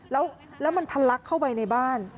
แล้วมันทะลักเข้าไปในบ้าน